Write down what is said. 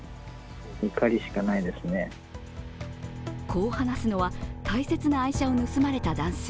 こう話すのは大切な愛車を盗まれた男性。